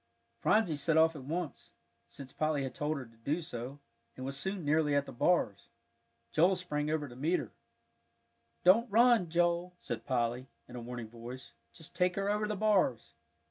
Phronsie set off at once, since Polly had told her to do so, and was soon nearly at the bars. Joel sprang over to meet her. "Don't run, Joe," called Polly, in a warning voice; "just take her over the bars."